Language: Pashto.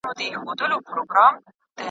زموږ د تاریخ د اتلانو وطن